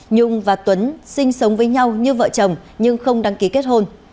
nhung và tuấn sinh sống với nhau như vợ chồng nhưng không đăng ký kết hôn